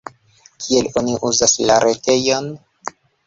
Kiel oni uzas la retejon?